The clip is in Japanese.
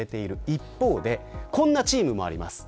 一方でこんなチームもあります。